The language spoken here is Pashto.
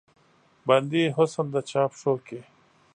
بندي حسن د چا پښو کې